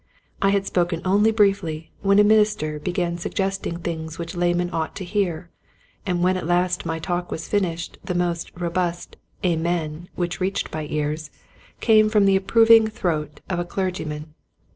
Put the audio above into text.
I had spoken only briefly when a minister began suggesting things which laymen ought to hear, and when at last my talk was finished the most robust *' Amen " which reached my ears came from the approving throat of a clergyman.